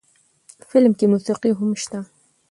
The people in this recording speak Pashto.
فلم کښې موسيقي هم شته